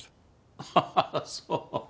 ハハハッそう。